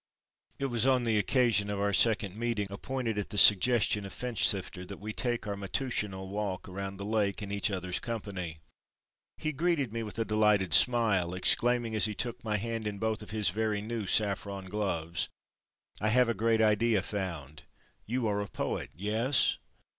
It was on the occasion of our second meeting, appointed at the suggestion of Finchsifter that we take our matutinal walk around the Lake in each others company. He greeted me with a delighted smile, exclaiming as he took my hand in both of his very new saffron gloves. "I have a great idea found—!—You are a poet? yes?